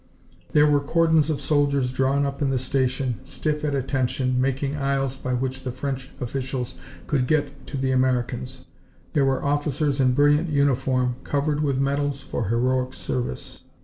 There were cordons of soldiers drawn up in the station, stiff at attention, making aisles by which the French officials could get to the Americans. There were officers in brilliant uniform, covered with medals for heroic service.